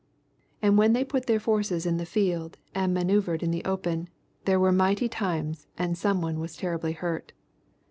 And when they put their forces in the field and man[oe]uvred in the open, there were mighty times and someone was terribly hurt.